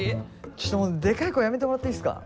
ちょっとでかい声やめてもらっていいっすか？